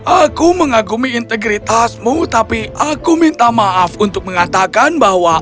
aku mengagumi integritasmu tapi aku minta maaf untuk mengatakan bahwa